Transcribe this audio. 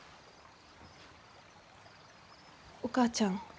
お母ちゃん。